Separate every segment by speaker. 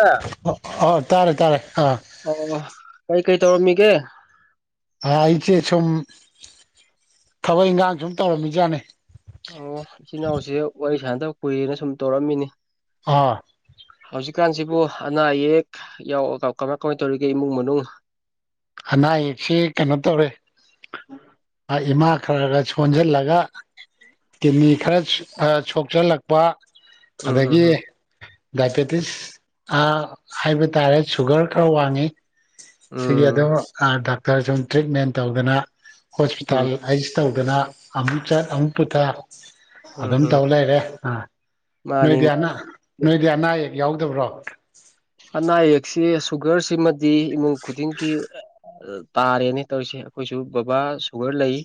Speaker 1: ꯑ
Speaker 2: ꯑ ꯇꯥꯔꯦ ꯇꯥꯔꯦ ꯑꯥ
Speaker 1: ꯑꯣ ꯑꯣ ꯀꯩꯀꯩ ꯇꯧꯔꯝꯃꯤꯒꯦ
Speaker 2: ꯑꯥ ꯑꯩꯆꯦ ꯁꯨꯝ ꯊꯕꯛ ꯏꯪꯒꯥꯡ ꯁꯨꯝ ꯇꯧꯔꯝꯃꯤꯖꯥꯠꯅ‌ꯦ
Speaker 1: ꯑꯣ ꯏꯆꯤꯟ ꯅꯥꯎꯖ‌ꯦ ꯋꯥꯔꯤ ꯁꯥꯟꯅꯗꯕ ꯀꯨꯏꯔꯦꯅ ꯁꯨꯝ ꯇꯧꯔꯛꯑꯝꯃꯤꯅꯤ
Speaker 2: ꯑꯥ
Speaker 1: ꯍꯧꯖꯤꯛꯀꯥꯟꯁꯤꯕꯨ ꯑꯅꯥ ꯑꯌꯦꯛ ꯌꯥꯎ ꯀꯃꯥꯏ ꯀꯃꯥꯏ ꯇꯧꯔꯤꯒꯦ ꯏꯃꯨꯡ ꯃꯅꯨꯡ
Speaker 2: ꯍꯅꯥ ꯑꯌꯦꯛꯁ‌ꯦ ꯀꯩꯅꯣ ꯇꯧꯔꯦ ꯑꯥ ꯏꯃꯥ ꯈꯔ ꯒꯔ ꯁꯣꯟꯖꯜꯂꯒ ꯀꯤꯅꯤ ꯈꯔ ꯑ ꯁꯣꯛꯆꯜꯂꯛꯄ
Speaker 1: ꯎꯝ
Speaker 2: ꯑꯗꯒꯤ
Speaker 1: ꯎꯝ
Speaker 2: ꯗꯥꯏꯕꯦꯇꯤꯁ ꯑꯥ ꯍꯥꯏꯕ ꯇꯥꯔꯦ ꯁꯨꯒ꯭ꯔ ꯈꯔ ꯋꯥꯡꯉꯤ ꯁꯤꯒꯤ
Speaker 1: ꯎꯝ
Speaker 2: ꯑꯗꯨꯝ ꯑ ꯗꯥꯛꯇ꯭ꯔꯆꯨꯝ ꯇ꯭ꯔꯤꯠꯃꯦꯟ ꯇꯧꯗꯅ ꯍꯣꯁꯄꯤꯇꯥꯜ
Speaker 1: ꯎꯝ ꯎꯝ
Speaker 2: ꯑꯥꯏꯁ ꯇꯧꯗꯅ ꯑꯃꯨꯛ ꯆꯠ ꯑꯃꯨꯛ ꯄꯨꯊ
Speaker 1: ꯎꯝ
Speaker 2: ꯑꯗꯨꯝ
Speaker 1: ꯍꯝ
Speaker 2: ꯇꯧ ꯂꯩꯔꯦ ꯑꯥ
Speaker 1: ꯃꯥꯅꯤ
Speaker 2: ꯅꯣꯏꯗꯤ ꯑꯅꯥ ꯅꯣꯏꯗꯤ ꯑꯅꯥ ꯑꯌꯦꯛ ꯌꯥꯎꯗꯕ꯭ꯔꯣ
Speaker 1: ꯑꯅꯥ ꯑꯌꯦꯛꯁꯤ ꯁꯨꯒ꯭ꯔꯁꯤꯃꯗꯤ ꯏꯃꯨꯡ ꯈꯨꯗꯤꯡꯒꯤ ꯇꯥꯔꯦꯅꯦ ꯇꯧꯔꯤꯁꯦ ꯑꯩꯈꯣꯏꯁꯨ ꯕꯕꯥ ꯁꯨꯒ꯭ꯔ ꯂꯩ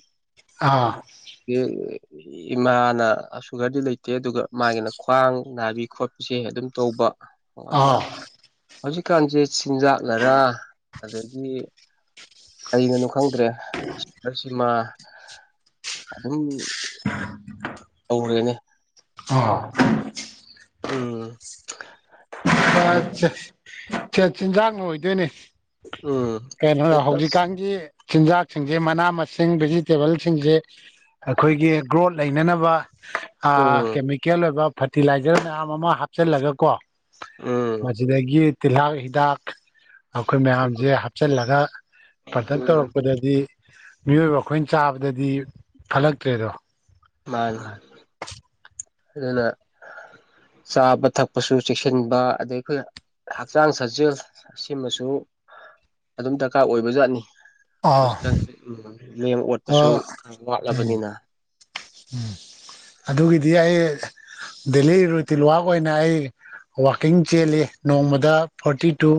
Speaker 2: ꯑꯥ
Speaker 1: [unintelligible] ꯏꯃꯥꯅ ꯁꯨꯒ꯭ꯔꯗꯤ ꯂꯩꯇꯦ ꯑꯗꯨꯒ ꯃꯥꯒꯤꯅ ꯈ꯭ꯋꯥꯡ ꯅꯥꯕꯤ ꯈꯣꯠꯄꯤꯁꯦ ꯑꯗꯨꯝ ꯇꯧꯕ [unintelligible]
Speaker 2: ꯑꯥ
Speaker 1: ꯍꯧꯖꯤꯛꯀꯥꯟꯁ‌ꯦ ꯆꯤꯟꯖꯥꯛꯅꯔ ꯑꯗꯒꯤ ꯀꯩꯅꯅꯣ ꯈꯪꯗ꯭ꯔꯦ ꯁꯨꯒ꯭ꯔꯁꯤꯃ ꯑꯗꯨꯝ
Speaker 2: [unintelligible]
Speaker 1: ꯇꯧꯔꯦꯅꯦ
Speaker 2: ꯑꯣ
Speaker 1: ꯎꯝ ꯑꯗꯨꯅ
Speaker 2: [unintelligible] ꯆꯤꯟꯖꯥꯛꯅ ꯑꯣꯏꯗꯣꯏꯅꯤ
Speaker 1: ꯎꯝ
Speaker 2: ꯀꯩꯅꯣꯗ
Speaker 1: ꯄ꯭ꯂꯁ
Speaker 2: ꯍꯧꯖꯤꯛꯀꯥꯟꯒꯤ ꯆꯤꯟꯖꯥꯛꯁꯤꯡꯁꯦ ꯃꯅꯥ ꯃꯁꯤꯡ ꯚꯦꯖꯤꯇꯦꯕꯜꯁꯤꯡꯁꯦ ꯑꯩꯈꯣꯏꯒꯤ ꯒ꯭ꯔꯣꯠ ꯂꯩꯅꯅꯕ ꯑꯥ
Speaker 1: ꯎꯝ
Speaker 2: ꯀꯦꯃꯤꯀꯦꯜ ꯑꯣꯏꯕ ꯐ꯭ꯔꯇꯤꯂꯥꯏꯖ꯭ꯔ ꯃꯌꯥꯝ ꯑꯃ ꯍꯥꯞꯆꯤꯜꯂꯒ ꯀꯣ
Speaker 1: ꯎꯝ
Speaker 2: ꯃꯁꯤꯗꯒꯤ ꯇꯤꯜꯍꯥꯛ ꯍꯤꯗꯥꯛ ꯑꯈꯣꯏ
Speaker 1: ꯎꯝ
Speaker 2: ꯃꯌꯥꯝꯖꯦ ꯍꯥꯞꯆꯤꯜꯂꯒ ꯄ꯭ꯔꯗꯛ
Speaker 1: ꯎꯝ
Speaker 2: ꯇꯧꯔꯛꯄꯗꯗꯤ ꯃꯤꯑꯣꯏꯕ ꯑꯩꯈꯣꯏꯅ ꯆꯥꯕꯗꯗꯤ ꯐꯠꯂꯛꯇ꯭ꯔꯦꯗꯣ
Speaker 1: ꯃꯥꯅꯤ
Speaker 2: ꯑꯥ
Speaker 1: ꯑꯗꯨꯅ ꯆꯥꯕ ꯊꯛꯄꯁꯨ ꯆꯦꯛꯁꯤꯟꯕ ꯑꯗꯩ ꯑꯩꯈꯣꯏꯅ ꯍꯛꯆꯥꯡ ꯁꯥꯖꯦꯜ ꯁꯤꯃꯁꯨ ꯑꯗꯨꯝ ꯗ꯭ꯔꯀꯥꯔ ꯑꯣꯏꯕꯖꯥꯠꯅꯤ
Speaker 2: ꯑꯣ
Speaker 1: ꯍꯧꯖꯤꯛꯀꯥꯟꯁꯦ ꯎꯝ ꯂꯦꯡ ꯑꯣꯠꯄꯁꯨ ꯈꯔ ꯋꯥꯠꯂꯕꯅꯤꯅ
Speaker 2: ꯎꯝ ꯑꯗꯨꯒꯤꯗꯤ ꯑꯩ ꯗꯦꯂꯤ ꯔꯨꯇꯤꯟ ꯋꯥꯛ ꯑꯣꯏꯅ ꯑꯩ ꯋꯥꯛꯀꯤꯡ ꯆꯦꯜꯂꯤ ꯅꯣꯡꯃꯗ ꯐꯣꯔꯇꯤꯇꯨ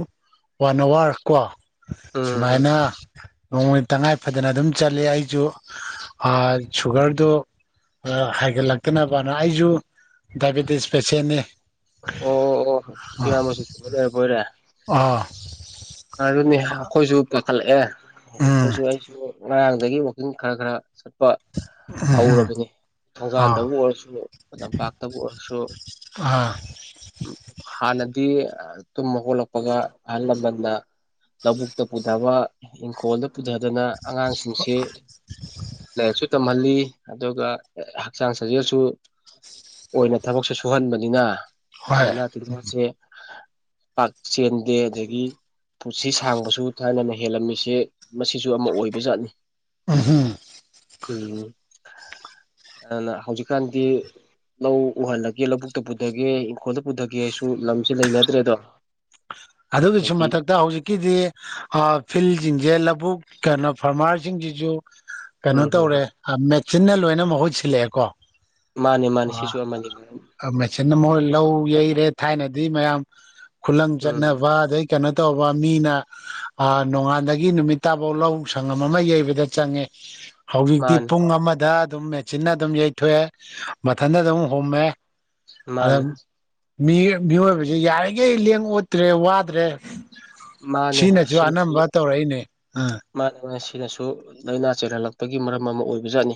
Speaker 2: ꯋꯥꯟ ꯑꯋ꯭ꯔ ꯀ‌ꯣ
Speaker 1: ꯎꯝ ꯎꯝ
Speaker 2: ꯁꯨꯃꯥꯏꯅ ꯅꯣꯡꯃꯩ ꯇꯉꯥꯏ ꯐꯗꯅ ꯑꯗꯨꯝ ꯆꯠꯂꯤ ꯑꯩꯖꯨ ꯑ ꯁꯨꯒ꯭ꯔꯗꯣ ꯍꯥꯏꯒꯠꯂꯛꯇꯅꯕꯅ ꯑꯩꯖꯨ ꯗꯥꯏꯕꯦꯇꯤꯁ ꯄꯦꯁꯦꯟꯅꯤ꯫
Speaker 1: ꯑꯣ ꯑꯣ ꯏꯌꯥꯝꯕꯖꯨ ꯁꯨꯒꯔ ꯂꯩꯔꯕꯣꯏꯔꯦ꯫
Speaker 2: ꯑꯥ꯫
Speaker 1: ꯑꯗꯨꯅꯦ ꯑꯩꯈꯣꯏꯖꯨ ꯄꯥꯈꯠꯂꯛꯑꯦ
Speaker 2: ꯎꯝ
Speaker 1: ꯑꯩꯈꯣꯏꯖꯨ ꯑꯩꯖꯨ ꯉꯔꯥꯡꯗꯒꯤ ꯋꯥꯛꯀꯤꯡ ꯈꯔ ꯈꯔ ꯆꯠ ꯍꯧꯔꯕꯅꯤ
Speaker 2: ꯑꯥ
Speaker 1: ꯊꯣꯡꯒꯜꯗꯕꯨ ꯑꯣꯏꯔꯁꯨ ꯂꯝꯄꯥꯛꯇꯕꯨ ꯑꯣꯏꯔꯁꯨ꯫
Speaker 2: ꯑꯥ꯫
Speaker 1: ꯍꯥꯟꯅꯗꯤ ꯇꯨꯝꯃꯒꯣꯠꯂꯛꯄꯒ ꯑꯍꯜ ꯂꯃꯟꯅ ꯂꯧꯕꯨꯛꯇ ꯄꯨꯊꯕ ꯏꯪꯈꯣꯜꯗ ꯄꯨꯊꯗꯅ ꯑꯉꯥꯡꯁꯤꯡꯁꯤ ꯂꯥꯏꯔꯤꯛꯁꯨ ꯇꯝꯍꯜꯂꯤ ꯑꯗꯨꯒ ꯍꯛꯆꯥꯡ ꯁꯥꯖꯦꯜꯁꯨ ꯑꯣꯏꯅ ꯊꯕꯛꯁꯨ ꯁꯨꯍꯟꯕꯅꯤꯅ
Speaker 2: ꯍꯣꯏ
Speaker 1: ꯂꯥꯏꯅꯥ ꯇꯤꯟꯅꯥꯁꯦ ꯄꯥꯛ ꯆꯦꯟꯗꯦ ꯑꯗꯒꯤ ꯄꯨꯟꯁꯤ ꯁꯥꯡꯕꯁꯨ ꯊꯥꯏꯅꯅ ꯍꯦꯜꯂꯝꯃꯤꯁꯦ ꯃꯁꯤꯁꯨ ꯑꯃ ꯑꯣꯏꯕꯖꯥꯠꯅꯤ꯫
Speaker 2: ꯎꯝꯍꯨꯝ
Speaker 1: ꯎꯝ ꯑꯗꯨꯅ ꯍꯧꯖꯤꯛꯀꯥꯟꯗꯤ ꯂꯧ ꯎꯍꯜꯂꯒꯦ ꯂꯧꯕꯨꯛꯇ ꯄꯨꯊꯒꯦ ꯏꯪꯈꯣꯜꯗ ꯄꯨꯊꯒꯦꯁꯨ ꯂꯝꯁꯦ ꯂꯩꯅꯗ꯭ꯔꯦꯗꯣ꯫ [inaudible]
Speaker 2: ꯑꯗꯨꯒꯤꯁꯨ
Speaker 1: ꯑꯗꯒꯤ
Speaker 2: ꯃꯊꯛꯇ ꯍꯧꯖꯤꯛꯀꯤꯗꯤ ꯐꯤꯜꯁꯤꯡꯁꯦ ꯂꯧꯕꯨꯛ ꯀꯩꯅꯣ ꯐꯥꯔꯃꯔꯁꯤꯡꯁꯤꯖꯨ
Speaker 1: ꯎꯝ
Speaker 2: ꯀꯩꯅꯣ
Speaker 1: ꯍꯝ
Speaker 2: ꯇꯧꯔꯦ
Speaker 1: ꯍꯝ
Speaker 2: ꯃꯦꯆꯤꯟꯅ ꯂꯣꯏꯅ ꯃꯍꯨꯣꯏꯠ ꯁꯤꯜꯂꯛꯑꯦꯀꯣ
Speaker 1: ꯃꯥꯅꯦ ꯃꯥꯅꯦ ꯁꯤꯁꯨ ꯑꯃꯅꯤ
Speaker 2: ꯑ ꯃꯦꯆꯤꯟꯅ ꯃꯣꯏ ꯂꯧ ꯌꯩꯔꯦ ꯊꯥꯏꯅꯗꯤ ꯃꯌꯥꯝ ꯈꯨꯂꯪ
Speaker 1: ꯎꯝ
Speaker 2: ꯆꯠꯅꯕ ꯑꯗꯩ ꯀꯩꯅꯣ ꯇꯧꯕ ꯃꯤꯅ ꯑꯥ ꯅꯣꯡꯉꯥꯟꯗꯒꯤ ꯅꯨꯃꯤꯠ ꯇꯥꯕꯥꯎ ꯂꯧ ꯁꯪꯉꯝ ꯑꯃ ꯌꯩꯕꯗ ꯆꯪꯉꯦ꯫ ꯍꯧꯖꯤꯛꯇꯤ
Speaker 1: ꯃꯥꯅꯦ
Speaker 2: ꯄꯨꯡ ꯑꯃꯗ ꯑꯗꯨꯝ ꯃꯦꯆꯤꯟꯅ ꯑꯗꯨꯝ ꯌꯩꯊꯣꯛꯑꯦ ꯃꯊꯟꯇ ꯑꯗꯨꯝ ꯍꯨꯝꯃꯦ꯫
Speaker 1: ꯃꯥꯅꯦ
Speaker 2: ꯑꯗꯨꯝ ꯃꯤ ꯃꯤꯑꯣꯏꯕꯁꯤ ꯌꯥꯔꯤꯈꯩ ꯂꯦꯡ ꯑꯣꯠꯇ꯭ꯔꯦ ꯋꯥꯗ꯭ꯔꯦ꯫
Speaker 1: ꯃꯥꯅꯦ
Speaker 2: ꯁꯤꯅꯁꯨ ꯑꯅꯝꯕ ꯇꯧꯔꯛꯏꯅꯦ ꯑꯥ꯫
Speaker 1: ꯃꯥꯅꯦ ꯃꯥꯅꯦ ꯃꯁꯤꯅꯁꯨ ꯂꯥꯏꯅꯥ ꯆꯦꯜꯍꯜꯂꯛꯄꯒꯤ ꯃꯔꯝ ꯑꯃ ꯑꯣꯏꯕꯖꯥꯠꯅꯤ꯫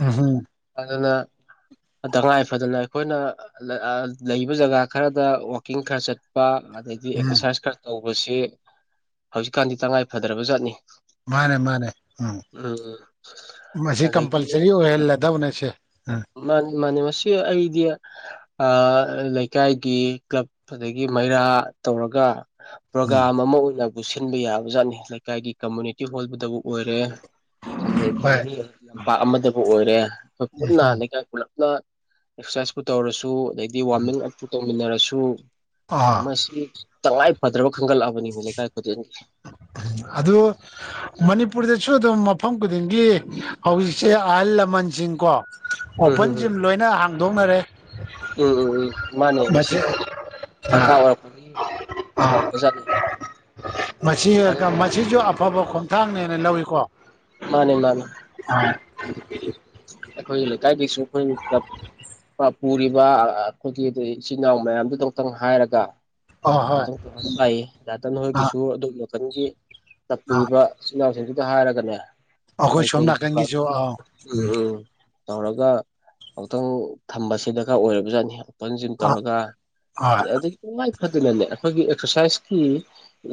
Speaker 2: ꯎꯝ ꯍꯨꯝ
Speaker 1: ꯑꯗꯨꯅ ꯇꯉꯥꯏ ꯐꯗꯅ ꯑꯩꯈꯣꯏꯅ ꯂꯩꯕ ꯖꯒꯥ ꯈꯔꯗ ꯋꯥꯛꯀꯤꯡ ꯈꯔ ꯆꯠꯄ ꯑꯗꯩꯗꯤ
Speaker 2: ꯎꯝ
Speaker 1: ꯑꯦꯛꯁꯔꯁꯥꯏꯁ ꯈꯔ ꯇꯧꯕꯁꯤ ꯍꯧꯖꯤꯛꯀꯥꯟꯗꯤ ꯇꯉꯥꯏ ꯐꯗ꯭ꯔꯕ ꯖꯠꯅꯤ꯫
Speaker 2: ꯃꯥꯅꯦ ꯃꯥꯅꯦ ꯎꯝ ꯃꯁꯤ
Speaker 1: ꯑꯗꯒꯤ
Speaker 2: ꯀꯝꯄꯜꯁꯔꯤ ꯑꯣꯏꯍꯜꯂꯗꯧꯅꯦ ꯁꯦ꯫ ꯎꯝ
Speaker 1: ꯃꯥꯅꯤ ꯃꯥꯅꯤ ꯃꯁꯤ ꯑꯩꯗꯤ ꯂꯩꯀꯥꯏꯒꯤ ꯀ꯭ꯂꯕ ꯑꯗꯒꯤ ꯃꯩꯔꯥ ꯇꯧꯔꯒ
Speaker 2: ꯎꯝ
Speaker 1: ꯄ꯭ꯔꯣꯒꯥ꯭ꯔꯥꯝ ꯑꯃ ꯑꯣꯏꯅꯕꯨ ꯁꯤꯟꯕ ꯌꯥꯕꯖꯥꯠꯅꯤ ꯂꯩꯀꯥꯏꯒꯤ ꯀꯝꯃꯨꯅꯤꯇꯤ ꯍꯣꯜꯕꯗꯕꯨ ꯑꯣꯏꯔꯦ, ꯑꯗꯗꯤ
Speaker 2: ꯍꯣꯏ
Speaker 1: ꯂꯝꯄꯥꯛ ꯑꯃꯗꯕꯨ ꯑꯣꯏꯔꯦ ꯄꯨꯟꯅ ꯄꯨꯂꯞꯅ ꯑꯦꯛꯁꯔꯁꯥꯏꯁꯄꯨ ꯇꯧꯔꯁꯨ ꯑꯗꯩꯗꯤ ꯋꯥꯔꯃꯤꯡ ꯑꯞꯄꯨ ꯇꯧꯃꯤꯟꯅꯔꯁꯨ
Speaker 2: ꯑꯥ
Speaker 1: ꯃꯁꯤ ꯇꯉꯥꯏ ꯐꯗ꯭ꯔꯕ ꯈꯟꯒꯠꯂꯛꯑꯕꯅꯤ ꯂꯩꯀꯥꯏ ꯈꯨꯗꯤꯡꯒꯤ꯫
Speaker 2: ꯑꯗꯨ ꯃꯅꯤꯄꯨꯔꯗꯁꯨ ꯑꯗꯨꯝ ꯃꯐꯝ ꯈꯨꯗꯤꯡꯒꯤ ꯍꯧꯖꯤꯛꯁꯦ ꯑꯍꯜ ꯂꯃꯟꯁꯤꯡ ꯀꯣ,
Speaker 1: ꯎꯝ ꯎꯝ
Speaker 2: ꯑꯣꯄꯟ
Speaker 1: ꯎꯝ
Speaker 2: ꯖꯤꯝ ꯂꯣꯏꯅ ꯍꯥꯡꯗꯣꯛꯅꯔꯦ꯫
Speaker 1: ꯎꯝ ꯎꯝ ꯎꯝ ꯃꯥꯅꯦ ꯃꯁꯤ ꯗꯔꯀꯥꯔ
Speaker 2: ꯑ
Speaker 1: ꯑꯣꯏꯔꯛꯄꯒꯤ ꯍꯧꯗꯣꯔꯛꯄꯖꯥꯠꯅꯤ꯫
Speaker 2: ꯃꯁꯤ ꯃꯁꯤꯁꯨ ꯑꯐꯕ ꯈꯣꯡꯊꯥꯡꯅꯦꯅ ꯂꯧꯏꯀꯣ꯫
Speaker 1: ꯃꯥꯅꯦ ꯃꯥꯅꯦ
Speaker 2: [unintelligible]
Speaker 1: ꯑꯩꯈꯣꯏ ꯂꯩꯀꯥꯏꯒꯤꯁꯨ ꯀ꯭ꯂꯞ ꯄꯨꯔꯤꯕ ꯑꯩꯈꯣꯏꯒꯤ ꯏꯆꯤꯟ ꯏꯅꯥꯎ ꯃꯌꯥꯝꯗꯨꯗ ꯑꯃꯛꯇꯪ ꯍꯥꯏꯔꯒ
Speaker 2: ꯑꯣ ꯍꯣꯏ
Speaker 1: [unintelligible]
Speaker 2: ꯑꯥ
Speaker 1: ꯍꯣꯏꯒꯤꯁꯨ ꯑꯗꯣꯝ ꯅꯥꯒꯥꯟꯒꯤ [unintelligible] ꯏꯆꯤꯜ
Speaker 2: ꯑꯥ
Speaker 1: ꯏꯅꯥꯎꯁꯤꯡꯗꯨꯗ ꯍꯥꯏꯔꯒꯅꯦ
Speaker 2: ꯑꯩꯈꯣꯏ
Speaker 1: ꯀꯔꯤ
Speaker 2: ꯁꯣꯝ
Speaker 1: ꯀꯔꯤ
Speaker 2: ꯅꯥꯀꯟꯒꯤꯁꯨ ꯑꯥ
Speaker 1: [unintelligible] ꯎꯝ ꯎꯝ ꯇꯧꯔꯒ ꯑꯃꯨꯛꯇꯪ ꯊꯝꯕꯁꯦ ꯗꯔꯀꯥꯔ ꯑꯣꯏꯔꯕꯖꯥꯠꯅꯤ ꯍꯣꯡꯗꯣꯛ ꯍꯣꯡꯖꯤꯟ
Speaker 2: ꯑꯥ
Speaker 1: ꯇꯧꯔꯒ
Speaker 2: ꯍꯣꯏ
Speaker 1: ꯑꯗꯒꯤ ꯇꯉꯥꯏ ꯐꯗꯅꯅꯦ ꯑꯩꯈꯣꯏꯒꯤ ꯑꯦꯛꯁꯔꯁꯥꯏꯁꯀꯤ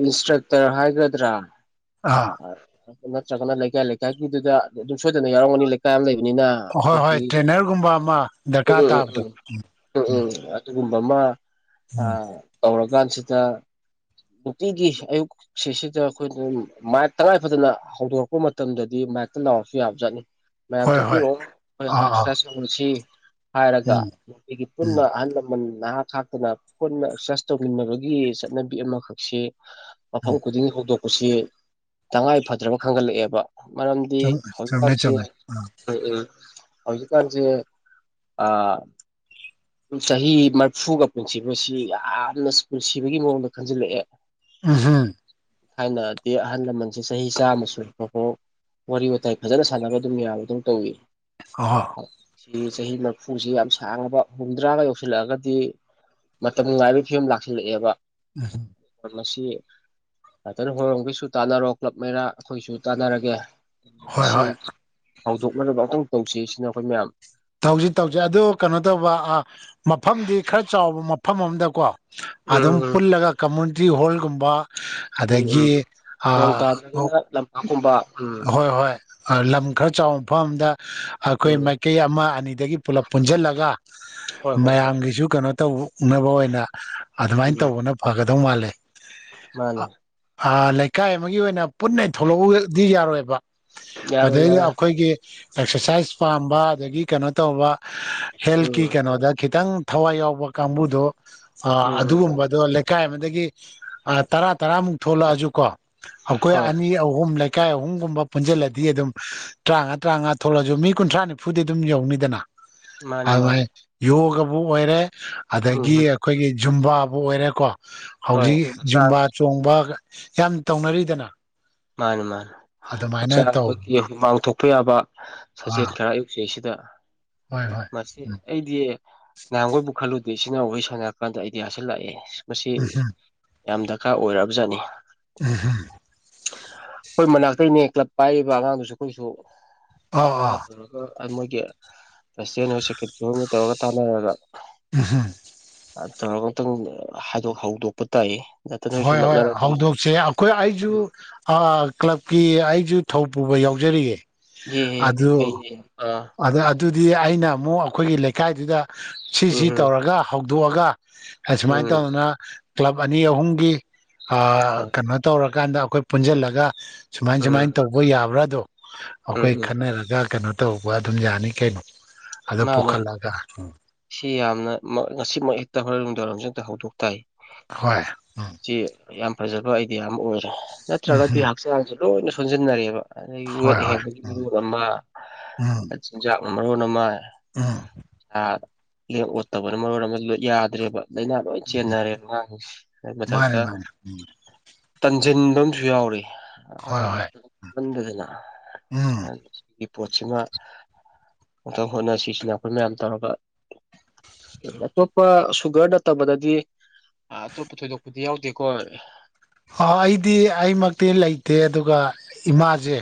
Speaker 1: ꯏꯟꯁꯇ꯭ꯔꯛꯇꯔ ꯍꯥꯏꯒꯗ꯭ꯔꯥ
Speaker 2: ꯑꯥ
Speaker 1: ꯅꯠꯇ꯭ꯔꯒꯅ ꯂꯩꯀꯥꯏ ꯂꯩꯀꯥꯏꯒꯤꯗꯨꯗ ꯑꯗꯨꯝ ꯁꯣꯏꯗꯅ ꯌꯥꯎꯔꯝꯒꯅꯤ ꯂꯩꯀꯥꯏ ꯑꯃ ꯂꯩꯕꯅꯤꯅ
Speaker 2: ꯍꯣꯏ ꯍꯣꯏ
Speaker 1: ꯑꯩꯈꯣꯏꯒꯤ
Speaker 2: ꯇ꯭ꯔꯦꯅꯔꯒꯨꯝꯕ ꯑꯃ
Speaker 1: ꯎꯝ
Speaker 2: ꯗꯔꯀꯥꯔ
Speaker 1: ꯎꯝ
Speaker 2: ꯇꯥꯕꯗꯣ
Speaker 1: ꯎꯝ ꯎꯝ ꯎꯝ ꯑꯗꯨꯒꯨꯝꯕ ꯑꯃ ꯑ
Speaker 2: ꯎꯝ
Speaker 1: ꯇꯧꯔꯀꯥꯟꯁꯤꯗ ꯅꯨꯡꯇꯤꯒꯤ ꯑꯌꯨꯛ ꯁꯤꯁꯤꯗ ꯑꯩꯈꯣꯏ ꯃꯥꯏꯛ ꯇꯉꯥꯏ ꯐꯗꯅ ꯍꯧꯗꯣꯔꯛꯄ ꯃꯇꯝꯗꯗꯤ ꯃꯥꯏꯛꯇ ꯂꯥꯎꯔꯁꯨ ꯌꯥꯕꯖꯥꯠꯅꯤ ꯃꯌꯥꯝ
Speaker 2: ꯍꯣꯏ ꯍꯣꯏ
Speaker 1: ꯊꯣꯛꯄꯤꯔꯛꯑꯣ
Speaker 2: ꯑꯥ ꯑꯥ
Speaker 1: ꯑꯦꯛꯁꯔꯁꯥꯏ ꯇꯧꯔꯁꯤ ꯍꯥꯏꯔꯒ
Speaker 2: ꯎꯝ
Speaker 1: ꯅꯨꯡꯇꯤꯒꯤ
Speaker 2: ꯎꯝ
Speaker 1: ꯄꯨꯟꯅ ꯑꯍꯜ ꯂ ꯅꯍꯥꯛ ꯈꯥꯛꯇꯅ ꯄꯨꯟꯅ ꯑꯦꯛꯁꯔꯁꯥꯏ ꯇꯧꯃꯤꯟꯅꯕꯒꯤ ꯆꯠꯅꯕꯤ ꯑꯃꯈꯛꯁꯦ ꯃꯐꯝ ꯈꯨꯗꯤꯡ ꯍꯧꯗꯣꯛꯄꯁꯤ ꯇꯉꯥꯏ ꯐꯗ꯭ꯔꯕ ꯈꯟꯒꯠꯂꯛꯑꯦꯕ ꯃꯔꯝꯗꯤ
Speaker 2: ꯆꯨꯝ ꯆꯨꯝꯃꯦ
Speaker 1: ꯍꯧꯖꯤꯛꯀꯥꯟꯁꯤ
Speaker 2: ꯆꯨꯝꯃꯦ ꯑꯥ
Speaker 1: ꯎ ꯎꯝ ꯍꯧꯖꯤꯛꯀꯟꯁꯦ ꯑ ꯆꯍꯤ ꯃꯔꯐꯨꯒ ꯄꯨꯟꯁꯤꯕꯁꯤ ꯌꯥꯝꯅ ꯄꯨꯟꯁꯤꯕꯒꯤ ꯃꯑꯣꯡꯗ ꯈꯟꯖꯤꯜꯂꯛꯑꯦ
Speaker 2: ꯎꯝ ꯍ [unintelligible]
Speaker 1: ꯊꯥꯏꯅꯗꯤ ꯑꯍꯜ ꯂꯃꯟꯁꯦ ꯆꯍꯤ ꯆꯥꯝꯃ ꯁꯨꯔꯐꯥꯎꯕ ꯋꯥꯔꯤ ꯋꯥꯇꯥꯏ ꯐꯖꯅ ꯁꯥꯟꯅꯕ ꯑꯗꯨꯝ ꯌꯥꯕ ꯑꯗꯨꯝ ꯇꯧꯋꯤ
Speaker 2: ꯑ ꯍꯣ [unintelligible]
Speaker 1: ꯁꯤ ꯆꯍꯤ ꯃꯔꯐꯨꯁꯤ ꯌꯥꯝ ꯁꯥꯡꯉꯕ ꯍꯨꯝꯗ꯭ꯔꯥꯒ ꯌꯧꯁꯤꯜꯂꯛꯑꯒꯗꯤ ꯃꯇꯝ ꯉꯥꯏꯕꯒꯤ ꯐꯤꯕꯝ ꯂꯥꯛꯁꯤꯜꯂꯛꯑꯦꯕ
Speaker 2: ꯎꯝ [unintelligible]
Speaker 1: ꯃꯁꯤ [unintelligible] ꯍꯣꯢ ꯔꯣꯝꯒꯤꯁꯨ ꯇꯥꯟꯅꯔꯣ ꯀ꯭ꯂꯕ ꯃꯩꯔꯥ ꯑꯩꯈꯣꯏꯁꯨ ꯇꯥꯟꯅꯔꯒꯦ
Speaker 2: ꯍꯣꯏ
Speaker 1: ꯃꯁꯤ
Speaker 2: ꯍꯣꯏ
Speaker 1: ꯍꯧꯗꯣꯛꯅꯔꯒ ꯑꯃꯨꯛꯇꯪ ꯇꯧꯁꯤ ꯁꯤꯅꯤ ꯑꯩꯈꯣꯏ ꯃꯌꯥꯝ
Speaker 2: ꯇꯧꯁꯤ ꯇꯧꯁꯤ ꯑꯗꯨ ꯀꯩꯅꯣ ꯇꯧꯕ ꯑꯥ ꯃꯐꯝꯗꯤ ꯈꯔ ꯆꯥꯎꯕ ꯃꯐꯝ ꯑꯝꯗꯀꯣ ꯑꯗꯨꯝ
Speaker 1: ꯎꯝ
Speaker 2: ꯄꯨꯜꯂꯒ ꯀꯝꯃꯨꯅꯤꯇꯤ ꯍꯣꯜꯒꯨꯝꯕ
Speaker 1: ꯎꯝ
Speaker 2: ꯑꯗꯒꯤ ꯑꯥ
Speaker 1: ꯂꯥꯝꯄꯥꯛꯀꯨꯝꯕ
Speaker 2: ꯍꯣꯏ ꯍꯣꯏ ꯂꯝ ꯈꯔ ꯆꯥꯎꯕ ꯃꯐꯝ ꯑꯝꯗ ꯑꯩꯈꯣꯏ
Speaker 1: ꯎꯝ
Speaker 2: ꯃꯥꯏꯀꯩ ꯑꯃ ꯑꯅꯤꯗꯒꯤ ꯄꯨꯂꯞ ꯄꯨꯟꯁꯤꯜꯂꯒ
Speaker 1: ꯍꯣꯏ ꯍꯣꯏ ꯍꯣꯏ
Speaker 2: ꯃꯌꯥꯝꯒꯤꯁꯨ ꯀꯩꯅꯣ ꯇꯧꯅꯕ ꯑꯣꯏꯅ ꯑꯗꯨꯃꯥꯏꯅ
Speaker 1: ꯎꯝ
Speaker 2: ꯇꯧꯕꯅ ꯐꯒꯗꯧ ꯃꯥꯜꯂꯦ
Speaker 1: ꯃꯥꯅꯤ
Speaker 2: ꯂꯩꯀꯥꯏ ꯑꯃꯒꯤ ꯑꯣꯏꯅ ꯄꯨꯟꯅ ꯊꯣꯛꯂꯛꯎꯗꯤ ꯌꯥꯔꯣꯏꯕ
Speaker 1: ꯌꯥꯔꯣꯏ
Speaker 2: ꯃꯗꯩꯗ
Speaker 1: ꯌꯥꯔꯣꯏ
Speaker 2: ꯑꯩꯈꯣꯏꯒꯤ ꯑꯦꯛꯁꯔꯁꯥꯏꯁ ꯄꯥꯝꯕ ꯑꯗꯒꯤ ꯀꯩꯅꯣ ꯇꯧꯕ ꯍꯦꯜꯀꯤ
Speaker 1: ꯎꯝ
Speaker 2: ꯀꯩꯅꯣꯗ ꯈꯤꯇꯪ ꯊꯋꯥꯏ ꯌꯥꯎꯕ ꯀꯥꯡꯕꯨꯗꯣ ꯑ
Speaker 1: ꯎꯝ ꯎꯝ
Speaker 2: ꯑꯗꯨꯒꯨꯝꯕ ꯑꯗꯣ ꯂꯩꯀꯥꯏ ꯑꯃꯗꯒꯤ ꯇꯔꯥ ꯇꯔꯥꯃꯨꯛ ꯊꯣꯛꯂꯛꯑꯁꯨ ꯀꯣ ꯑꯩꯈꯣꯏ
Speaker 1: ꯍꯣꯏ
Speaker 2: ꯑꯅꯤ ꯑꯍꯨꯝ ꯂꯩꯀꯥꯏ ꯑꯍꯨꯝꯒꯨꯝꯕ ꯄꯨꯟꯁꯤꯜꯂꯗꯤ ꯑꯗꯨꯝ ꯇꯔꯥꯃꯉꯥ ꯇꯔꯥꯃꯉꯥ ꯊꯣꯛꯂꯁꯨ ꯃꯤ ꯀꯨꯟꯊ꯭ꯔꯥ ꯅꯤꯐꯨꯗꯤ ꯑꯗꯨꯝ ꯌꯧꯅꯤꯗꯅ
Speaker 1: ꯃꯥꯅꯤ ꯃꯥꯅꯤ
Speaker 2: ꯑꯗꯨꯃꯥꯢ ꯌꯣꯒꯕꯨ ꯑꯣꯏꯔꯦ
Speaker 1: ꯎꯝ
Speaker 2: ꯑꯗꯒꯤ ꯑꯩꯈꯣꯏꯒꯤ ꯖꯨꯝꯕꯥꯕꯨ ꯑꯣꯏꯔꯦꯀꯣ
Speaker 1: ꯍꯣꯏ
Speaker 2: ꯍꯧꯖꯤꯛ
Speaker 1: ꯍꯛꯆꯥꯡ
Speaker 2: ꯖꯨꯝꯕꯥ ꯖꯨꯝꯕ ꯆꯣꯡꯕ ꯌꯥꯝ ꯇꯧꯅꯔꯤꯗꯅ
Speaker 1: ꯃꯥꯅꯤ ꯃꯥꯅꯤ
Speaker 2: ꯑꯗꯨꯃꯥꯏꯅ
Speaker 1: ꯍꯛꯆꯥꯡ
Speaker 2: ꯇꯧꯕ
Speaker 1: ꯑꯩꯈꯣꯏꯒꯤ ꯃꯥꯡꯊꯣꯛꯄ ꯌꯥꯕ ꯁꯥꯖꯦꯜ
Speaker 2: ꯑꯥ
Speaker 1: ꯈꯔ ꯁꯤꯗꯩꯁꯤꯗ
Speaker 2: ꯍꯣꯏ ꯍꯣꯏ
Speaker 1: ꯃꯁꯤ
Speaker 2: ꯎꯝ
Speaker 1: ꯑꯩꯗꯤ ꯅꯍꯥꯟꯈꯣꯏꯕꯨ ꯈꯜꯂꯨꯗꯦ ꯏꯆꯤꯟ ꯏꯅꯥꯎ ꯋꯥꯔꯤ ꯁꯥꯟꯅꯔꯀꯥꯟꯗ ꯑꯥꯏꯗꯤꯌꯥꯁꯤ ꯂꯥꯛꯑꯦ ꯃꯁꯤ
Speaker 2: ꯎꯝꯍꯨꯝ
Speaker 1: ꯌꯥꯝ ꯗꯔꯀꯥꯔ ꯑꯣꯏꯔꯛꯑꯕ ꯖꯥꯠꯅꯤ
Speaker 2: [unintelligible]
Speaker 1: ꯑꯩꯈꯣꯏ ꯃꯅꯥꯛꯇꯩꯅꯦ ꯀ꯭ꯂꯕ ꯄꯥꯏꯔꯤꯕ ꯑꯉꯥꯡꯗꯨꯁꯨ ꯑꯩꯈꯣꯏꯁꯨ
Speaker 2: ꯑꯥ
Speaker 1: ꯃꯉꯥ
Speaker 2: ꯑꯥ
Speaker 1: ꯇꯔꯨꯛ ꯃꯣꯏꯒꯤ ꯄ꯭ꯔꯁꯤꯗꯦꯟ ꯑꯣꯏ ꯁꯦꯀ꯭ꯔꯦꯇꯔꯤ ꯑꯣꯏ ꯃꯣꯏ ꯇꯧꯔꯒ ꯇꯥꯟꯅꯔꯒ
Speaker 2: [unintelligible]
Speaker 1: ꯇꯧꯔꯒꯇꯪ ꯑꯥ ꯍꯪꯗꯣꯛꯄ ꯇꯥꯏꯌꯦ ꯅꯠꯇ ꯅꯣꯏꯁꯨ
Speaker 2: ꯍꯣꯏ ꯍꯣꯏ
Speaker 1: ꯅꯛꯅꯔꯗꯤ
Speaker 2: ꯍꯧꯗꯣꯛꯁꯦ ꯑꯩꯈꯣꯏ ꯑꯩꯁꯨ
Speaker 1: ꯎꯝ
Speaker 2: ꯑꯥ ꯀ꯭ꯂꯕꯀꯤ ꯑꯩꯁꯨ ꯊꯧ ꯄꯨꯕ ꯌꯥꯎꯖꯔꯤꯌꯦ
Speaker 1: ꯌꯦ ꯐꯩꯅꯦ ꯑꯥ
Speaker 2: ꯑꯥꯗ ꯑꯗꯨꯗꯤ ꯑꯩꯅ ꯑꯃꯨꯛ ꯑꯩꯈꯣꯏꯒꯤ ꯂꯩꯀꯥꯏꯗꯨꯗ ꯁꯤꯁꯤ
Speaker 1: ꯎꯝ ꯎꯝ
Speaker 2: ꯇꯧꯔꯒ ꯍꯧꯗꯣꯛꯑꯒ ꯑꯁꯨꯃꯥꯏꯟ
Speaker 1: ꯎꯝ
Speaker 2: ꯇꯧꯗꯅ ꯀ꯭ꯂꯕ ꯑꯅꯤ ꯑꯍꯨꯝꯒꯤ ꯑꯥ
Speaker 1: ꯍꯣꯏ
Speaker 2: ꯀꯩꯅꯣ ꯇꯧꯔꯀꯥꯟꯗ ꯑꯩꯈꯣꯏ ꯄꯨꯟꯖꯤꯜꯂꯒ ꯁꯨꯃꯥꯏꯟ ꯁꯨꯃꯥꯏꯟ
Speaker 1: ꯎꯝ
Speaker 2: ꯇꯧ ꯃꯣꯏ ꯌꯥꯕ꯭ꯔꯥꯗꯣ
Speaker 1: ꯎꯝ
Speaker 2: ꯑꯩꯈꯣꯏ
Speaker 1: ꯎꯝ
Speaker 2: ꯈꯟꯅꯔꯒ ꯀꯩꯅꯣ ꯇꯧꯕ ꯑꯗꯨꯝ ꯌꯥꯅꯤ ꯀꯩꯅꯣ ꯑꯗꯣ
Speaker 1: ꯃꯥꯅꯦ
Speaker 2: ꯄꯨꯣꯈꯠꯂꯒ
Speaker 1: ꯁꯤ ꯌꯥꯝꯅ ꯉꯁꯤꯃꯛ ꯍꯦꯛꯇ ꯍꯣꯔꯦꯟ ꯅꯨꯗꯥꯡ ꯋꯥꯏꯔꯝ ꯍꯦꯛꯇ ꯍꯧꯗꯣꯛ ꯇꯥꯏ
Speaker 2: ꯍꯣꯏ ꯑꯝ
Speaker 1: ꯁꯤ ꯌꯥꯝ ꯐꯥꯖꯕ ꯑꯥꯏꯗꯤꯌꯥ ꯑꯃ ꯑꯣꯏꯔꯦ
Speaker 2: ꯎꯝ
Speaker 1: ꯅꯠꯇ꯭ꯔꯒꯗꯤ
Speaker 2: ꯍꯝ
Speaker 1: ꯍꯛꯆꯥꯡꯁꯦ ꯂꯣꯏꯅ ꯁꯣꯟꯖꯤꯟꯅꯔꯦꯕ ꯑꯗꯥꯒꯤ ꯋꯦꯠ
Speaker 2: ꯍꯣꯏ ꯍꯣꯏ
Speaker 1: ꯍꯦꯟꯕꯒꯤ
Speaker 2: ꯎꯝ
Speaker 1: ꯃꯔꯣꯟ ꯑꯃ ꯆꯤꯟꯖꯥꯛ ꯃꯔꯣꯟ ꯑꯃ
Speaker 2: ꯑꯝ
Speaker 1: ꯑꯥ ꯂꯦꯡ ꯑꯣꯠꯇꯕꯅ ꯃꯔꯣꯟ ꯑꯃꯥ ꯌꯥꯗ꯭ꯔꯦꯕ ꯂꯥꯏꯅꯥ ꯂꯣꯏ ꯆꯦꯟꯅꯔꯦ ꯑꯉꯥꯡꯁꯤ ꯑꯗꯨꯏ
Speaker 2: ꯃꯥꯅꯦ
Speaker 1: ꯃꯊꯛꯇ
Speaker 2: ꯃꯥꯅꯦ ꯎꯝ
Speaker 1: ꯇꯟꯖꯟꯕ ꯑꯃꯁꯨ ꯌꯥꯎꯔꯤ
Speaker 2: ꯍꯣꯏ ꯍꯣꯏ
Speaker 1: ꯑꯉꯥꯡꯁꯤꯡꯗ [unintelligible]
Speaker 2: ꯎꯝ
Speaker 1: ꯁꯤꯒꯤ ꯄꯣꯠꯁꯤꯅ ꯑꯝꯇꯪ ꯍꯣꯠꯅꯁꯤꯁꯤꯅ ꯑꯩꯈꯣꯏ ꯃꯌꯥꯝ ꯇꯧꯔꯒ ꯑꯇꯣꯞꯄ ꯁꯨꯒꯔ ꯅꯠꯇꯕꯗꯗꯤ ꯑꯇꯣꯞꯄ ꯊꯣꯏꯗꯣꯛꯄꯗꯤ ꯌꯥꯎꯗꯦꯀꯣ
Speaker 2: ꯑ ꯥ ꯑꯩꯗꯤ ꯑꯩꯃꯛꯇꯤ ꯂꯩꯇꯦ ꯑꯗꯨꯒ ꯏꯃꯥꯁꯦ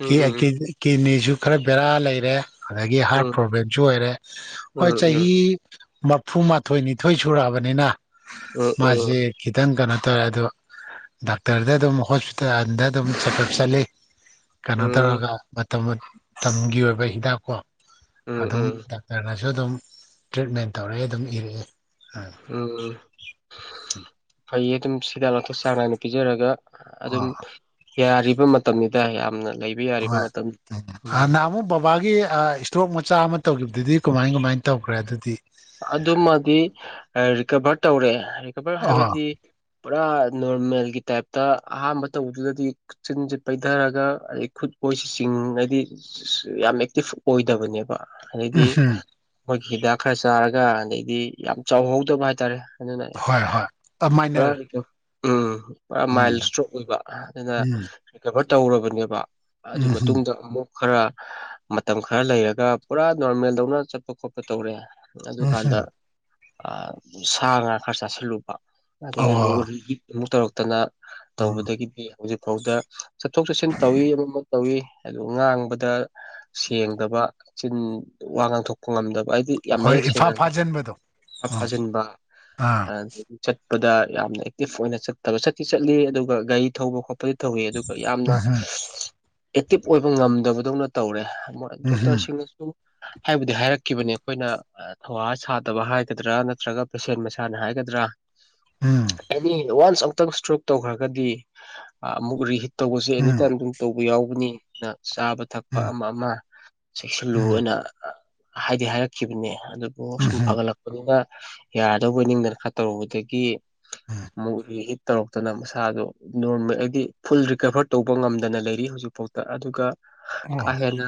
Speaker 1: ꯎꯝ
Speaker 2: ꯀꯤ
Speaker 1: ꯎꯝ ꯎꯝ
Speaker 2: ꯀꯤꯠꯅꯤꯁꯨ ꯈꯔ ꯕꯦꯔꯥ ꯂꯩꯔꯦ ꯑꯗꯥꯒꯤ ꯍꯥꯔꯠ
Speaker 1: ꯎꯝ
Speaker 2: ꯄ꯭ꯔꯣꯕ꯭ꯂꯦꯝꯁꯨ ꯑꯣꯏꯔꯦ
Speaker 1: ꯎꯝ
Speaker 2: ꯍꯣꯏ
Speaker 1: ꯎꯝ
Speaker 2: ꯆꯍꯤ ꯃꯞ ꯐꯨ ꯃꯥꯥꯊꯣꯏ ꯅꯤꯊꯣꯏ ꯁꯨꯔꯛꯑꯕꯅꯤꯅ
Speaker 1: ꯎꯝ ꯎꯝ
Speaker 2: ꯃꯥꯁꯤ ꯈꯤꯇꯪ ꯀꯩꯅꯣ ꯇꯧꯋꯦ ꯑꯗꯨ ꯗꯥꯛꯇ꯭ꯔꯗ ꯑꯗꯨꯝ ꯍꯣꯁꯄꯤꯇꯥꯜꯗ ꯑꯗꯨꯝ ꯆꯪꯛꯒꯠ ꯆꯠꯂꯤ ꯀꯩꯅꯣ ꯇꯧꯔꯒ ꯃꯇꯝ ꯃꯇꯝꯒꯤ ꯑꯣꯏꯕ ꯍꯤꯗꯥꯛ ꯀꯣ
Speaker 1: ꯎꯝ ꯎꯝ
Speaker 2: ꯑꯗꯨꯝ
Speaker 1: ꯎꯝ
Speaker 2: ꯗꯥꯛꯇ꯭ꯔꯅꯁꯨ ꯑꯗꯨꯝ ꯇ꯭ꯔꯤꯠꯃꯦꯟ ꯇꯧꯔꯛꯏ ꯑꯗꯨꯝ ꯏꯔꯛꯑꯦ
Speaker 1: ꯑꯝ ꯑꯝ ꯐꯩꯌꯦ ꯑꯗꯨꯝ ꯍꯤꯗꯥꯛ ꯂꯥꯡꯊꯣꯛ ꯆꯥꯡ ꯅꯥꯏꯅ ꯄꯤꯖꯔꯒ ꯑꯗꯨꯝ
Speaker 2: ꯑꯣ
Speaker 1: ꯌꯥꯔꯤꯕ ꯃꯇꯝꯅꯤꯗ ꯌꯥꯝꯅ ꯂꯩ
Speaker 2: ꯍꯣꯏ ꯍꯥꯟꯅ ꯑꯃꯨꯛ ꯕꯥꯕꯥꯒꯤ ꯑꯥ ꯏꯁ ꯇ꯭ꯔꯣꯛ ꯃꯆꯥ ꯑꯃ ꯇꯧꯈꯤꯕꯗꯨꯗꯤ ꯀꯃꯥꯏꯟ ꯀꯃꯥꯏꯟ ꯇꯧꯈ꯭ꯔꯦ ꯑꯗꯨꯗꯤ
Speaker 1: ꯑꯗꯨꯃꯗꯤ ꯔꯤꯀꯚꯔ ꯇꯧꯔꯦ ꯔꯤꯀꯚꯔ
Speaker 2: ꯑꯣ ꯎꯝ
Speaker 1: ꯍꯥꯏꯕꯗꯤ ꯄꯨꯔꯥ ꯅꯣꯔꯃꯦꯜꯒꯤ ꯇꯥꯏꯞꯇ ꯑꯍꯥꯟꯕ ꯇꯧꯕꯗꯨꯗꯗꯤ ꯆꯤꯟꯁꯤ ꯄꯩꯊꯔꯒ ꯑꯗꯩ ꯈꯨꯠ ꯑꯣꯏꯁꯤ ꯆꯤꯡꯒ꯭ꯔꯗꯤ ꯌꯥꯝ ꯑꯦꯛꯇꯤꯚ ꯑꯣꯏꯗꯕꯅꯦꯕ ꯑꯗꯩꯗꯤ
Speaker 2: ꯍꯝ
Speaker 1: ꯃꯈꯣꯏꯒꯤ ꯍꯤꯗꯥꯛ ꯈꯔ ꯆꯥꯔꯒ ꯑꯗꯩꯗꯤ ꯌꯥꯝ ꯆꯥꯎꯍꯧꯗꯕ ꯍꯥꯏꯇꯔꯦ ꯑꯗꯨꯅ
Speaker 2: ꯍꯣꯏ ꯍꯣꯏ
Speaker 1: ꯄꯨꯔꯥ
Speaker 2: ꯃꯥꯏꯅꯔ
Speaker 1: ꯎꯝ ꯄꯨꯔꯥ ꯃꯥꯏꯜ
Speaker 2: ꯎꯝ
Speaker 1: ꯏꯁꯇ꯭ꯔꯣꯛ ꯑꯣꯏꯕ ꯑꯗꯨꯅ
Speaker 2: ꯎꯝ
Speaker 1: ꯔꯤꯀꯚꯔ ꯇꯧꯔꯕꯅꯦꯕ ꯑꯗꯨꯏ
Speaker 2: ꯎꯝ ꯍꯝ
Speaker 1: ꯃꯇꯨꯡꯗ ꯑꯃꯨꯛ ꯈꯔ ꯃꯇꯝ ꯈꯔ ꯂꯩꯔꯒ ꯄꯨꯔꯥ ꯅꯣꯔꯃꯦꯜꯗꯧꯅ ꯆꯠꯄ ꯈꯣꯠꯄ ꯇꯧꯔꯦ
Speaker 2: ꯎꯝ ꯍꯝ
Speaker 1: ꯑꯗꯨꯀꯥꯟꯗ ꯑ ꯁꯥ ꯉꯥ ꯈꯔ ꯆꯥꯁꯤꯜꯂꯨꯕ ꯑꯗꯒꯤ
Speaker 2: ꯑꯣ
Speaker 1: ꯑꯃꯨꯛ [unintelligible] ꯑꯃꯨꯛ ꯇꯧꯔꯛꯇꯅ
Speaker 2: ꯎꯝ
Speaker 1: ꯇꯧꯕꯗꯒꯤꯗꯤ ꯍꯧꯖꯤꯛ ꯐꯥꯎꯗ ꯆꯠꯊꯣꯛ ꯆꯠꯁꯤꯟ ꯇꯧꯋꯤ ꯑꯃꯃꯨꯛ ꯇꯧꯏ ꯑꯗꯨ ꯉꯥꯡꯕꯗ ꯁꯦꯡꯗꯕ ꯆꯤꯟ ꯋꯥ ꯉꯥꯡꯊꯣꯛꯄ ꯉꯝꯗꯕ ꯍꯥꯏꯗꯤ ꯌꯥꯝ
Speaker 2: ꯍꯣꯏ
Speaker 1: ꯃꯌꯦꯛ
Speaker 2: ꯏꯐꯥ
Speaker 1: ꯁꯦꯡꯅ
Speaker 2: ꯐꯥꯖꯤꯟꯕꯗꯣ ꯎꯝ
Speaker 1: ꯐꯥꯖꯤꯟꯕ
Speaker 2: ꯑꯥ
Speaker 1: ꯑꯗꯒꯤ ꯆꯠꯄꯗ ꯌꯥꯝꯅ ꯑꯦꯛꯇꯤꯞ ꯑꯣꯏꯅ ꯆꯠꯇꯕ ꯆꯠꯈꯤ ꯆꯠꯂꯤ ꯑꯗꯨꯒ ꯒꯥꯔꯤ ꯊꯧꯕ ꯈꯣꯠꯄ ꯗꯤ ꯇꯧꯋꯤ ꯑꯗꯨꯒ ꯌꯥꯝꯅ
Speaker 2: ꯎꯝ ꯎꯝ
Speaker 1: ꯑꯦꯛꯇꯤꯚ ꯑꯣꯏꯕ ꯉꯝꯗꯕꯗꯧꯅ ꯇꯧꯔꯦ ꯑꯃ
Speaker 2: ꯎꯝ
Speaker 1: ꯗꯣꯛꯇꯔꯁꯤꯡꯅꯁꯨ ꯍꯥꯏꯕꯨꯗꯤ ꯍꯥꯏꯔꯛꯈꯤꯕꯅꯦ ꯑꯩꯈꯣꯏꯅ ꯑ ꯊꯧꯋꯥ ꯁꯥꯗꯕ ꯍꯥꯏꯒꯗ꯭ꯔꯥ ꯅꯠꯇ꯭ꯔꯒ ꯄꯦꯁꯦꯟ ꯃꯁꯥꯅ ꯍꯥꯏꯒꯗ꯭ꯔꯥ
Speaker 2: ꯎꯝ
Speaker 1: ꯑꯦꯅꯤ ꯋꯥꯟꯁ ꯑꯃꯨꯛꯇꯪ ꯏꯁꯇ꯭ꯔꯣꯛ ꯇꯧꯈ꯭ꯔꯒꯗꯤ ꯑꯃꯨꯛ ꯔꯤꯍꯤꯠ ꯇꯧꯕꯁꯦ
Speaker 2: ꯎꯝ
Speaker 1: ꯑꯦꯅꯤꯇꯥꯏꯝ ꯑꯗꯨꯝ ꯇꯧꯕ ꯌꯥꯎꯒꯅꯤ ꯅ ꯆꯥꯕ ꯊꯛꯄ
Speaker 2: ꯎꯝ
Speaker 1: ꯑꯃ ꯑꯃ ꯆꯦꯛꯁꯤꯜꯂꯨꯅ ꯑ ꯍꯥꯏꯗꯤ ꯍꯥꯏꯔꯛꯈꯤꯕꯅꯦ ꯑꯗꯨꯕꯨ ꯁꯨꯝ
Speaker 2: ꯎꯝ
Speaker 1: ꯐꯒꯠꯂꯛ ꯑꯗꯨꯒ ꯌꯥꯔꯗꯧꯕꯣꯏ ꯅꯤꯡꯗꯅ ꯈꯔ ꯇꯧꯔꯨꯕꯗꯒꯤ
Speaker 2: ꯎꯝ
Speaker 1: ꯑꯃꯨꯛ ꯔꯤ ꯍꯤꯠ ꯇꯧꯔꯛꯇꯅ ꯃꯁꯥꯗꯣ ꯅꯣꯔꯃꯦꯜ ꯍꯥꯏꯗꯤ ꯐꯨꯜ ꯔꯤꯀꯕꯔ ꯇꯧꯕ ꯉꯝꯗꯅ ꯂꯩꯔꯤ ꯍꯧꯖꯤꯛꯐꯥꯎꯗ ꯑꯗꯨꯒ ꯀꯥ
Speaker 2: ꯑꯣ
Speaker 1: ꯍꯦꯟꯅ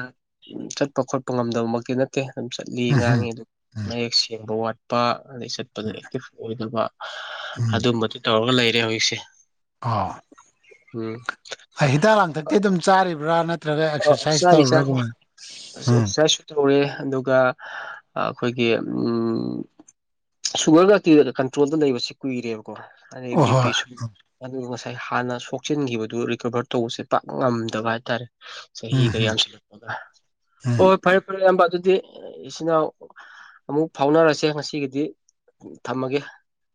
Speaker 1: ꯆꯠꯄ ꯈꯣꯠꯄ ꯉꯝꯗꯕꯃꯛꯇꯤ ꯅꯠꯇꯦ ꯑꯗꯨꯝ ꯆꯠꯂꯤ ꯉꯥꯡꯉꯤ
Speaker 2: ꯎꯝ
Speaker 1: ꯑꯗꯨꯝ
Speaker 2: ꯎꯝ
Speaker 1: ꯁꯦꯡꯕ ꯋꯥꯠꯄ ꯑꯗꯩ ꯆꯠꯄꯗ ꯑꯦꯛꯇꯤꯚ ꯑꯣꯏꯗꯕ
Speaker 2: ꯎꯝ
Speaker 1: ꯑꯗꯨꯝꯕꯗꯨ ꯇꯧꯔꯒ ꯂꯩꯔꯦ ꯍꯧꯖꯤꯛꯁꯦ
Speaker 2: ꯑꯣ
Speaker 1: ꯎꯝ
Speaker 2: ꯍꯩ ꯍꯤꯗꯥꯛ ꯂꯥꯡꯊꯛꯇꯤ ꯑꯗꯨꯝ ꯆꯥꯔꯤꯕ꯭ꯔꯥ ꯅꯠ ꯅꯠꯇ꯭ꯔꯒ
Speaker 1: ꯑ
Speaker 2: ꯑꯦꯛꯁꯔꯁꯥꯏꯁ
Speaker 1: ꯆꯥꯔꯤ ꯆꯥꯔꯤ
Speaker 2: ꯇꯧꯔꯨꯔꯒ [unintelligible] ꯎꯝ
Speaker 1: ꯑꯦꯛꯁꯔꯁꯥꯏꯁꯁꯨ ꯇꯧꯔꯦ ꯑꯗꯨꯒ ꯑ ꯑꯩꯈꯣꯏꯒꯤ ꯎꯝ ꯁꯨꯒꯔ ꯒꯥꯛꯇꯤ ꯀꯟꯇ꯭ꯔꯣꯜꯗ ꯂꯩꯕꯁꯤ ꯀꯨꯏꯔꯦꯕꯀꯣ ꯑꯗꯩ
Speaker 2: ꯑꯣ
Speaker 1: ꯕꯤ ꯄꯤ
Speaker 2: ꯍꯣꯏ
Speaker 1: ꯁꯨ ꯑꯗꯨꯒ ꯉꯁꯥꯏ ꯍꯥꯟꯅ ꯁꯣꯛꯆꯤꯟꯈꯤꯕꯗꯨ ꯔꯤꯀꯕꯔ ꯇꯧꯕꯁꯦ ꯄꯥꯛ ꯉꯝꯗꯕ ꯍꯥꯏꯇꯥꯔꯦ
Speaker 2: ꯎꯝ
Speaker 1: ꯆꯍꯤꯒ
Speaker 2: ꯎꯝ
Speaker 1: ꯌꯥꯝꯁꯤꯜꯂꯛꯄꯒ
Speaker 2: ꯎꯝ
Speaker 1: ꯍꯣꯏ ꯐꯔꯦ ꯐꯔꯦ ꯏꯌꯥꯝꯕ ꯑꯗꯨꯗꯤ ꯏꯆꯤꯟ ꯏꯅꯥꯎ ꯑꯃꯨꯛ ꯐꯥꯎꯅꯔꯁꯦ ꯉꯁꯤꯒꯤꯗꯤ ꯊꯝꯃꯒꯦ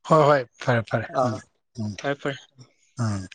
Speaker 2: ꯍꯣꯏ ꯍꯣꯏ ꯐꯔꯦ ꯐꯔꯦ ꯎꯝ
Speaker 1: ꯑꯥ
Speaker 2: ꯎꯝ
Speaker 1: ꯐꯔꯦ ꯐꯔꯦ
Speaker 2: ꯎꯝ